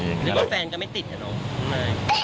หรือว่าแฟนก็ไม่ติดเหรอน้อง